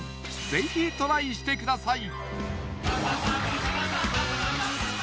ぜひトライしてください！